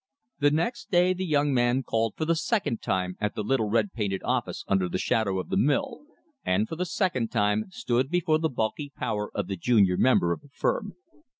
The next day the young man called for the second time at the little red painted office under the shadow of the mill, and for the second time stood before the bulky power of the junior member of the firm.